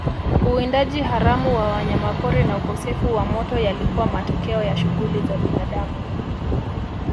Uwindaji haramu wa wanyamapori na ukosefu wa moto yalikuwa matokeo ya shughuli za binadamu